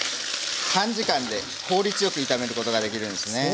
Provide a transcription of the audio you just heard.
短時間で効率よく炒めることができるんですね。